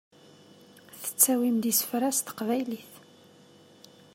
Tettawim-d isefra s teqbaylit.